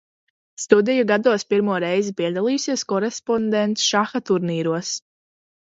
Studiju gados pirmo reizi piedalījusies korespondencšaha turnīros.